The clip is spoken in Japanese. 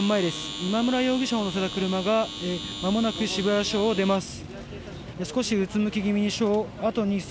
今村容疑者を乗せた車がまもなく渋谷署を出ます。